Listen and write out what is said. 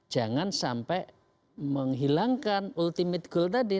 jangan sampai menghilangkan ultimate goal tadi